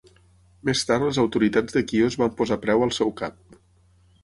Més tard les autoritats de Quios van posar preu al seu cap.